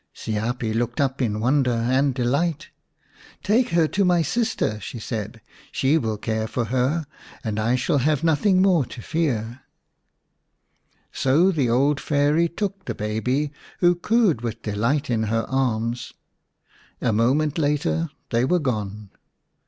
Siapi looked up in wonder and delight. "Take her to my sister," she said; "she will care for her, and I shall have nothing more to fear." 108 ix The Serpent's Bride So the old Fairy took the baby, who cooed with delight in her arms. A moment later they were gone.